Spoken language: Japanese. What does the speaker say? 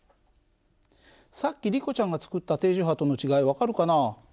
さっきリコちゃんがつくった定常波との違い分かるかな？